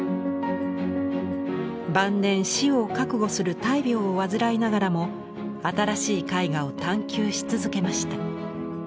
晩年死を覚悟する大病を患いながらも新しい絵画を探求し続けました。